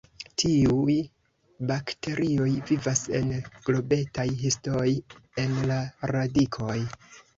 Tiuj bakterioj vivas en globetaj histoj en la radikoj.